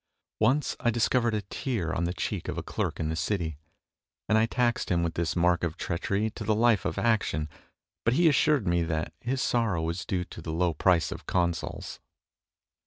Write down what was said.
Once I discovered a tear on the cheek of a clerk in the city, and I taxed him with this mark of treachery to the life of action ; but he assured me that his sorrow was due to the low price of Consols.